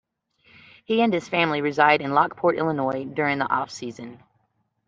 He and his family reside in Lockport, Illinois during the off-season.